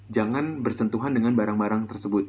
jangan bersentuhan dengan barang barang tersebut